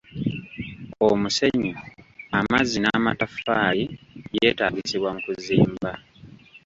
Omusenyu, amazzi n'amataffaali byetaagisibwa mu kuzimba.